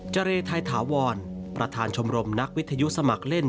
เรไทยถาวรประธานชมรมนักวิทยุสมัครเล่น